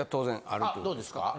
あどうですか？